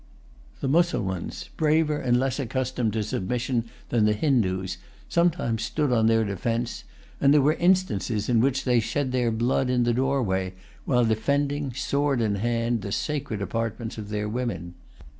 The Mussulmans, braver and less accustomed to submission than the Hindoos, sometimes stood on their defence; and there were instances in which they shed their blood in the doorway, while defending, sword in hand, the sacred apartments of their women.